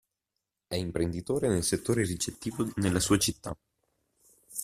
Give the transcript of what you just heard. È imprenditore nel settore ricettivo nella sua città.